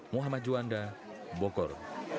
muhammad juanda bogor